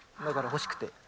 だから欲しくて。